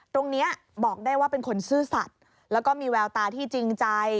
ตรงนี้บอกได้ว่าเป็นคนซื่อสัตว์แล้วก็มีแววตาที่จริงใจ